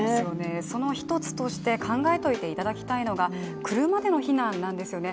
その一つとして、考えておいていただきたいのが、車での避難なんですよね。